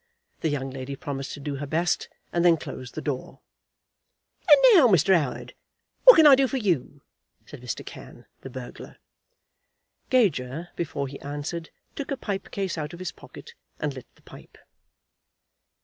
The young lady promised to do her best, and then closed the door. "And now, Mr. 'Oward, what can I do for you?" said Mr. Cann, the burglar. Gager, before he answered, took a pipe case out of his pocket, and lit the pipe.